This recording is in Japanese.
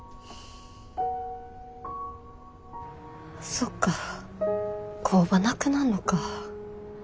そっか工場なくなんのか。